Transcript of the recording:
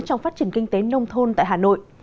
trong phát triển kinh tế nông thôn tại hà nội